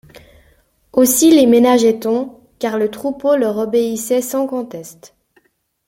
Aussi les ménageait-on, car le troupeau leur obéissait sans conteste.